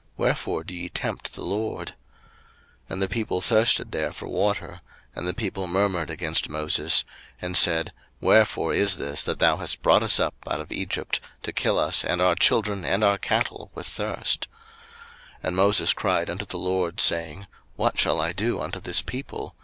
wherefore do ye tempt the LORD? 02:017:003 And the people thirsted there for water; and the people murmured against Moses, and said, Wherefore is this that thou hast brought us up out of Egypt, to kill us and our children and our cattle with thirst? 02:017:004 And Moses cried unto the LORD, saying, What shall I do unto this people?